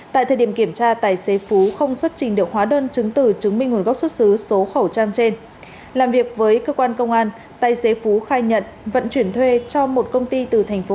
tại thời điểm kiểm tra tài xế phú không xuất trình được hóa đơn chứng tử chứng minh nguồn gốc xuất xứ số khẩu trang trên